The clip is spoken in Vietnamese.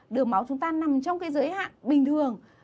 đường máu chúng ta nằm trong cái giới hạn bình thường